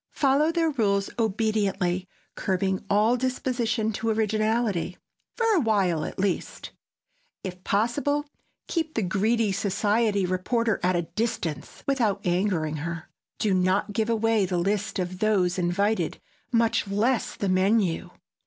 Follow their rules obediently, curbing all disposition to originality—for a while, at least. If possible, keep the greedy society reporter at a distance, without angering her. Do not give away the list of those invited, much less the menu.